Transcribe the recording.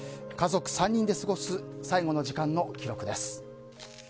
家族３人で過ごす最期の時間の記録です。